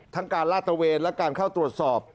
การลาดตะเวนและการเข้าตรวจสอบ